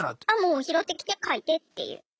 あもう拾ってきて書いてっていう。